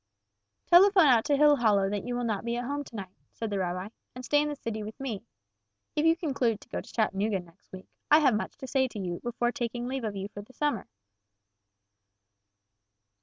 "Telephone out to Hillhollow that you will not be at home to night," said the rabbi, "and stay in the city with me. If you conclude to go to Chattanooga next week, I have much to say to you before taking leave of you for the summer."